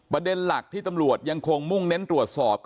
ประเด็นหลักที่ตำรวจยังคงมุ่งเน้นตรวจสอบ